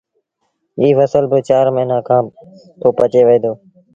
ايٚ ڦسل با چآر موهيݩآ کآݩ پو پچي وهي دو